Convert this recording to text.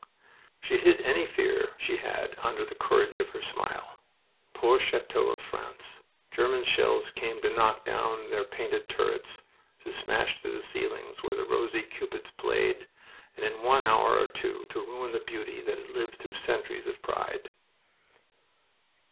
She hid any fear she had under the courage of her smile. Poor chateaux of France! German shells came to knock down their painted turrets, to smash through the ceilings where the rosy Cupids played, and in one hour or two to ruin the beauty that had lived through centuries of pride.